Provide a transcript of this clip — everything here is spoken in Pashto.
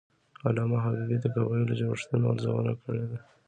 علامه حبیبي د قبایلي جوړښتونو ارزونه کړې ده.